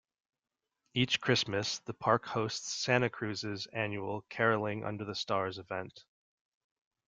Each Christmas the park hosts Santa Cruz's annual "Caroling under the Stars" event.